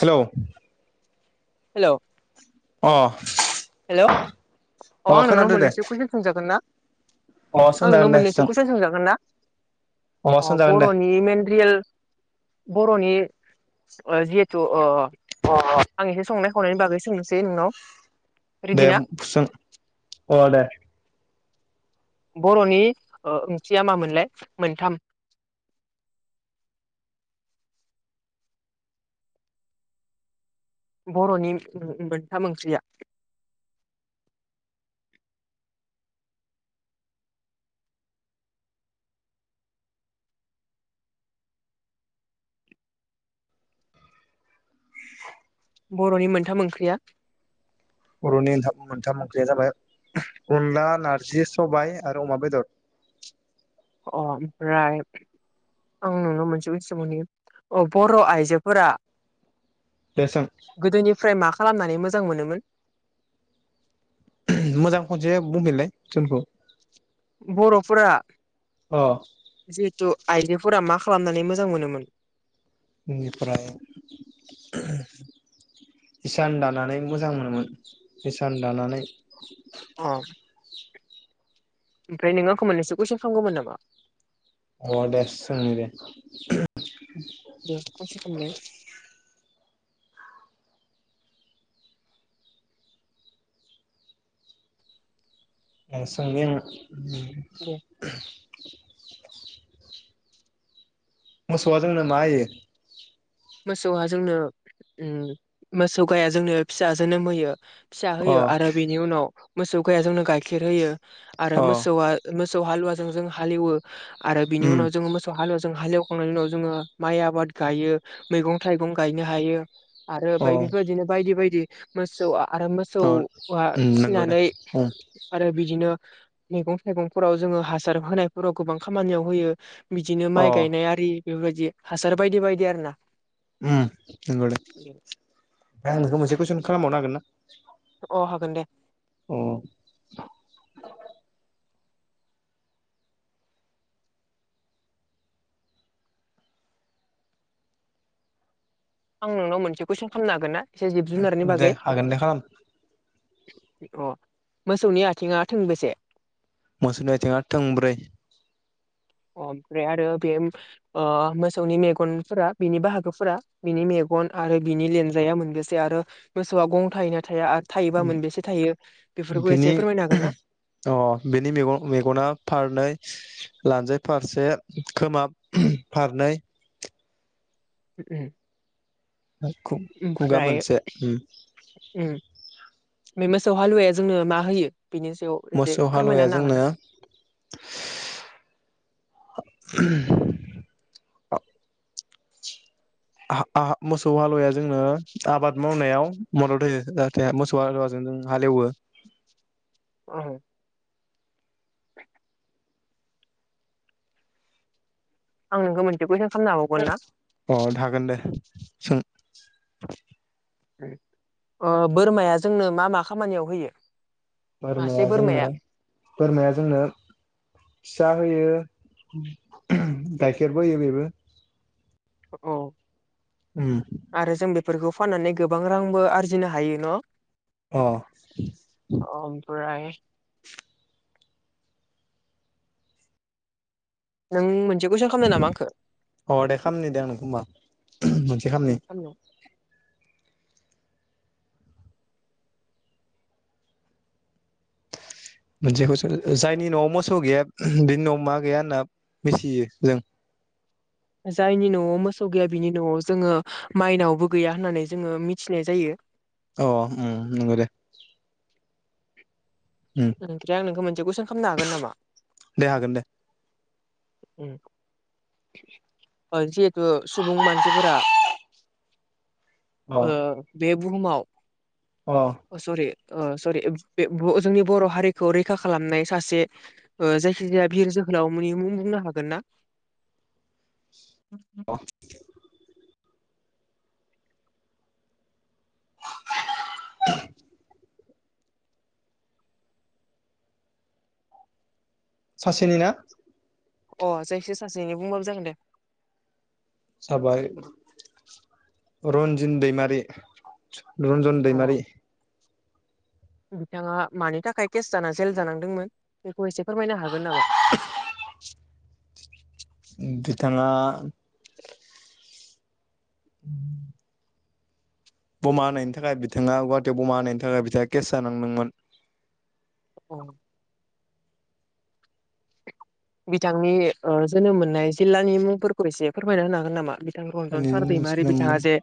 हेल' hello अ hello अ अ आं नोंनाव खोनादो दे मोननैसो कुइसन्स अ आं सोंजागोन नोंनाव दे सों मोननैसो कुइसन्स सोंजागोन ना? अ सोंजागोन दे बर'नि मेन रियेल बर'नि ओ जिहेथु ओ आं एसे संनाय खावनायनि बागै सोंनोसै नोंनाव रेडि दे ना सों अ दे बर'नि ओ ओंख्रिया मामोनलाय मोनथाम । [inaudible] बर'नि मोनथा ओंख्रिया [inaudible] बर'नि मोनथाम ओंख्रिया? बर'निथाम मोनथाम ओंख्रिया जाबाय अनला नारजि सबायाइ । आरो अमा बेदर। अ ओमफ्राय आं नोंनाव मोनसे मिथि सोंबावनि औ बर' आइजोफोरा दे सों गोदोनिफ्राय मा खालामनानै मोजां मोनोमोन? मोजां खनसे बुंफिनलाय टुनखौ बर'फोरा अ । जिहेथु आइजोफोरा मा खालामनानै मोजां मोनोमोन? बेनिफ्राय इसान दानानै मोजां मोनोमोन इसान दानानै औ। ओमफ्राय नों आंखौ मोननैसो कुइसन्स खालामगौमोन नामा? अ दे सोंनि दे । [inaudible] दे सोंनि आं दे । मोसौआ जोंनो मा होयो? मोसौआ जोंनो उम मोसौ गाइआ जोंनो फिसा जोनोम होयो । फिसा अ होयो आरो बेनि उनाव मोसौ गाइआ जोंनो गाइखेर होयो आरो अ मोसौआ मो मोसौ हालुवाजों जों हालेवो आरो बिनि उम उनाव जों मोसौ हालुवाजों हालेव खांनायनि उनाव जोङो माइ आबाद गायो मैगं थाइगं गायनो हायो आरो अ बाय बेफोरबादिनो बायदि बायदि मोसौआ आरो अ मोसौआ उम नोंगौ दे खिनानै उम आरो बिदिनो मैगं-थाइगंफोराव जोङो हासार होनायफोराव गोबां खामानियाव होयो बिदिनो अ माइ गायनाय आरि बेफोरबायदि हासार बायदि बायदि आरोना उम नंगौ दे आमफ्राय आं नोंखौ मोनसे कुइसन खालामबावनो हागोन ना? अ हागोन दे अ। आं नोंनाव मोनसे कुइसन खालामनो हागोन ना एसे जिब जुनारनि दे बागै? हागोन दे खालाम अ मोसौनि आथिङा थोंबोसे मोसौनि आथिङा थोंब्रै। अ ओमफ्राय आरो बे ओ मोसौनि मेगनफोरा बिनि बाहागोफोरा बिनि मेग गन आरो बिनि लान्जाया मोनबेसे आरो मोसौआ गं थायैना थाया? थायोबा मोनबेसे थायो बेफोरखौ बिनि एसे फोरमायनो हागोन ना? अ बेनि मेग मेगना फारनै लानजाय फारसे खोमा फारनै उ। खुगा मोनसे बे मोसौ हालुवाया जोंनो मा होयो? बेनि सायाव एसे मोसौ हालुवाया फोरमायनानै हागोन जोंनो ना? [inaudible] मोसौ हालुवाया जोंनो आबाद मावनायाव मदद होयो जाहाथे मोसौ हालुवा जों नों हालेवो। [inaudible] [inaudible] [inaudible] आं नोंखौ मोनथिखौ अ थागोन दे सों। बोरमाया जोंनो मा मा खामानियाव होयो? बोरमाया जोंनो बोरमाया जोंनो फिसा होयो गाइखेरबो होयो बेबो। औ। उम। फोरखौ फाननानै गोबां रांबो आरजिनो हायो न । अ अ ओमफ्राय नों मोनसे कुइसन खालामदो नामा आंखौ अ दे खामनि दे आं नोंखौ होनोमबा मोनसे दे खामनि। खालामनो मोनसेखौसो जायनि न'आव मोसौ गैया बिनि न'आव मा गैया होनना मिथियो जों? जायनि न'आव मोसौ गैया बिनि न'आव जोङो माइनावबो गैया होननानै जोङो मिथिनाय जायो। अ नंगौ दे। उम ओमफ्राय आं नोंखौ मोनसे कुइसन खालामनो हागोन नामा? दे हागोन दे। जिहेथु सुबुं मानसिफोरा अ बे बुहुमाव अ सरि सरि जोंनि बर' हारिखौ रैखा खालामनाय सासे जायखिजाया बिर जोहोलावमोननि मुं बुंनो हागोन ना? औ। [inaudible] सासेनि ना? अ जायखाया सासेनो बुंबाबो जागोन दे। हाबाय। [inaudible] रन्जिन दैमारि रन्जन अ दैमारि। बिथाङा मानि थाखाय केस जाना जेल जानांदोंमोन बेखौ एसे फोरमायनो हागोन नामा? बिथाङा [inaudible] बमा होनायनि थाखाय बिथाङा गुवाहाटियाव बमा होनायनि थाखाय बिथाङा केस जानांदोंमोन। औ। बिथांनि जोनोम मोननाय जिल्लानि मुंफोरखौ एसे फोरमायना होनो हागोन नामा? बिथां रन्जन सार दैमारि जोनोम बिथाङ जे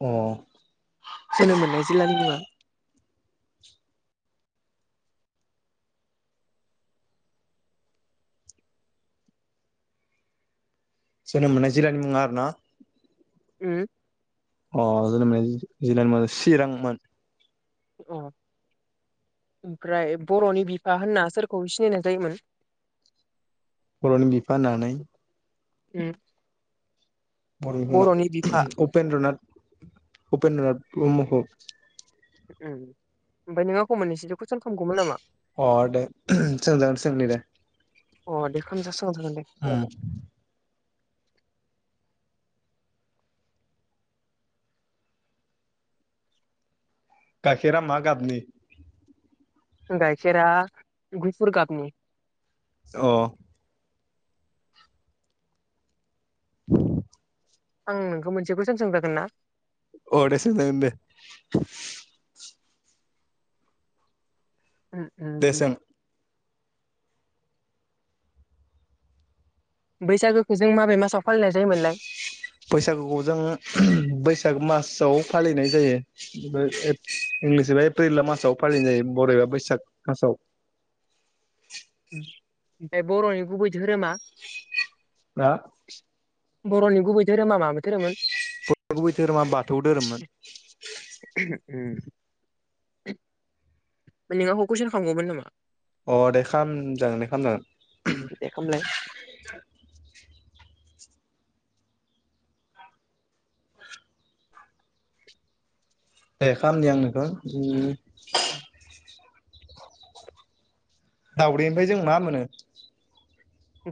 अ। जोनोम मोननाय जिल्लानि मुङा? जोनोम मोननाय जिल्लानि मुङा आरो ना? उ। अ जोंनि जि जिलानि मुंआ चिरांमोन। अ। ओमफ्राय बर'नि बिफा होनना सोरखौ सिनायनाय जायोमोन। बर'नि बिफा होननानै। उम्म। बर'नि होनाव उपेन्द्रनाथ उपेन्द्रनाथ ब्रह्मखौ। उम्म ओमफाय नों आंखौ मोननैसोनो कुइसन खामगौमोन नामा। अ दे सोंजागोन सोंनि दे अ दे खाम जासोआबाबो जोगोन दे। उम गाखेरा मा गाबनि। गायखेरा गुफुर गपनि। अ। आं नोंखौ मोनसे कुइसन सोंजागोन ना। अ दे सोंजागोन दे उम दे उम सों। बैसागोखो जों माबे मासाव फालिनाय जायोमोनलाय। बैसागुखौ जों बैसागो मासाव फालिनाय जायो। इंलिस एबा एप्रिल मासाव फालिनाय बर' एबा बैसाग मासाव। ओमफाय बर'नि गुबै धोरोमा। बा। बर'नि गुबै धोरोमा माबे धोरोममोन। बर'नि गुबै धोरोमा बाथौ धोरोममोन। उम्म। फ्राय नों आंखौ कुइसन खामगौमोन नामा। अ दे खाम जागोन दे खाम जागोन। दे खामलाय। दे खामनि आंनोंखो उम्म । अ अ दाउदैनिफाय जों मा मोनो।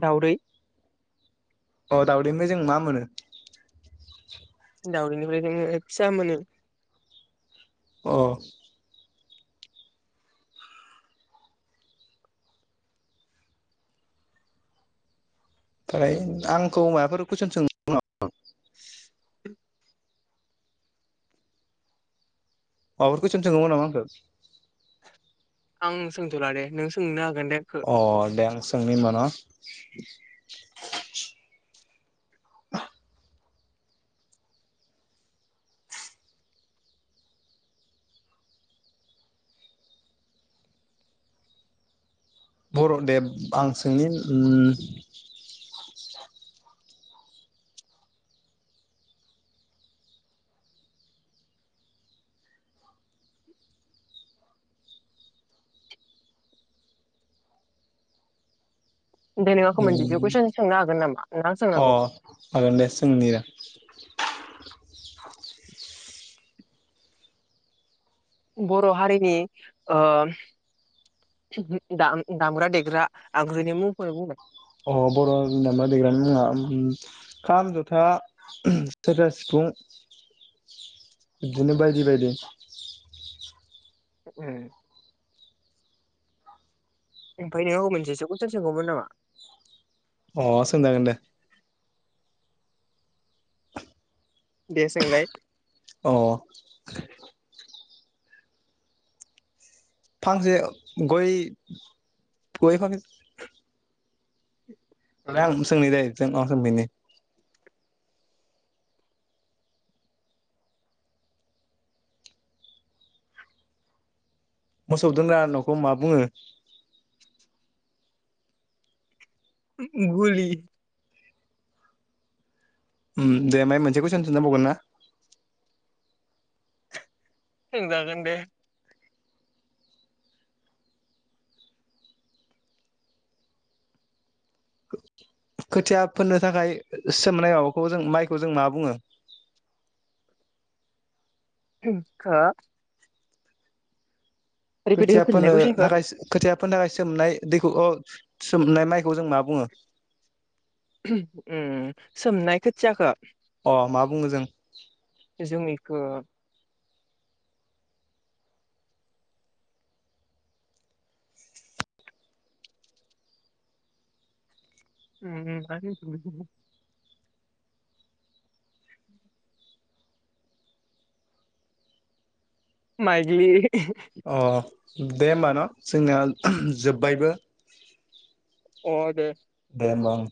दाउदै। अ दाउदैनिफाय जों मा मोनो। दाउदैनिफाय जोंङो फिसा मोनो। अ। फ्राय आंखौ माबाफोर कुइसन सोंगोन नामा। माबाफोर कुइसन सोंगौमोन नामा आंखो। आं सोंथ'ला दे नों सोंनो हा। अ दे आं सोंनि ओमबा न। [inaudible] बर' देब आं सोंनि उम्म। दे नों आंखौ मोनसे उम कुइसन सोंनो हागोन नामा ना आं अ सोंनांगौ हागोन दे सोंनि दे। [inaudible] बर' हारिनि ओ। दाम दामग्रा देग्रा आगजुनि मुंखौनो बुंलाय। अ बर'न दामग्रा देग्रानि मुंङा उम्म खाम जथा सेरजा सिफु। फुं। [inaudible] इदिनो बायदि बायदि। उम ओमफाय नोंङो औ मोनसेसे कुइसन सोंगौमोन नामा? अ सोंजागोन दे। दे सोंलाय। अह फांसे गय गय फां [unintelligible] मोसौ दोनग्रा न'खौ मा बुङो? गलि ओम दे ओमफ्राय मोनसे कइसन सोंजाबावगोन ना? सोंजागोन दे। खोथिया फोननो थाखाय सोमोननाय माबाखौ जों माइखौ जों मा बुङो? [unintelligible] रिपिट खोथिया होफिनलाय फोनो कुइसनखौ थाखाय खोथिया फोनो थाखाय सोमनाय दैखौ अ सोमनाय माइखौ जों मा बुङो? उम सोमनाय खोथियाखौ अ मा बुङो जों? जों इखो उम उम आरो माइलि। अ दे होमबा न' जोंनिया जोब्बायबो अ दे। दे होमबा ओं